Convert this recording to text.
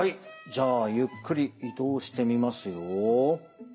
じゃあゆっくり移動してみますよ。